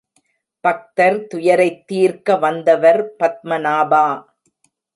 பக்தர் துயரைத் தீர்க்க வந்தவர் பத்மநாபா!